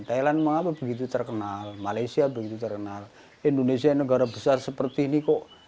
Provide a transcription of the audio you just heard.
thailand mengapa begitu terkenal malaysia begitu terkenal indonesia negara besar seperti ini kok